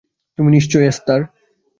তুমি নিশ্চয়ই এস্থার।